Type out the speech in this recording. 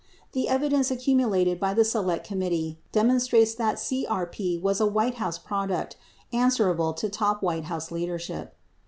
The evi dence accumulated by the Select Committee demonstrates that CRP was a White House product, answerable to top White House leadership.